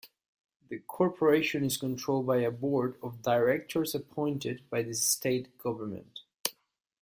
The corporation is controlled by a board of directors appointed by the state government.